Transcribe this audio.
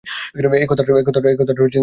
এ কথাটার মানে কী?